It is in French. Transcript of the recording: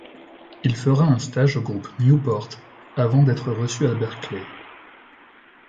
Il fera un stage au groupe Newport, avant d'être reçu à Berkley.